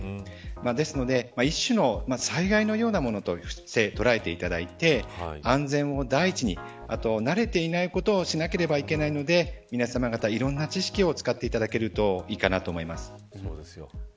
ですので一種の災害のようなものとして捉えていただいて安全を第一にあと、慣れていないことをしなければいけないので皆さま方、いろんな知識を使っていただくといいと思います。